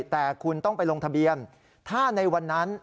แต่คุณต้องไปลงทะเบียนถ้าในวันนั้น